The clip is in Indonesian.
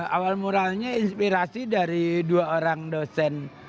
awal muralnya inspirasi dari dua orang dosen